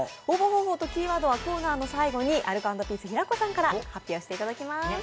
応募方法とキーワードはコーナーの最後にアルコ＆ピースの平子さんから発表していただきます。